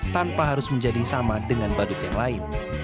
tanpa harus menjadi sama dengan badut yang lain